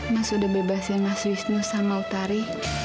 mas udah bebasin mas wisnu sama utari